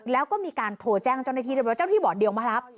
แล้วก็มีการโทรแจ้งเจ้าหน้าที่ด้วยเจ้าหน้าที่บอกเดี๋ยวมารับ